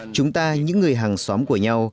chúng ta những người hàng xóm của nhau